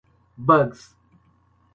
bugs